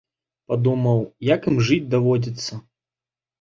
Падумаў, як ім жыць даводзіцца.